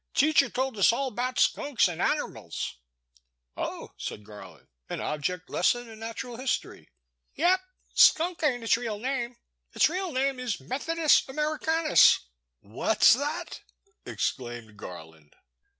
Teacher told us all about skunks an* anermals. Oh,'* said Garland, an object lesson in nat ural history? Yep. Skunk ain*t its real name, its real name is Methodist Americanus What *s that ?exclaimed Garland.